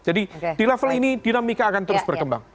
jadi di level ini dinamika akan terus berkembang